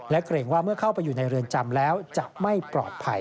เกรงว่าเมื่อเข้าไปอยู่ในเรือนจำแล้วจะไม่ปลอดภัย